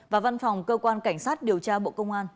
và văn phòng cơ quan cảnh sát điều tra bộ công an